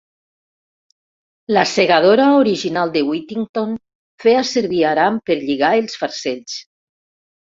La segadora original de Withington feia servir aram per lligar els farcells.